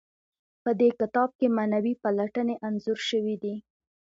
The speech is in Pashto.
په دې کتاب کې معنوي پلټنې انځور شوي دي.